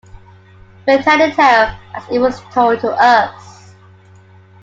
We tell the tale as it was told to us.